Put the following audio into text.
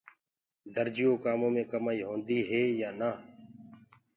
درجيو ڪآمون مي ڪمآئي هوندي هي يآن نآ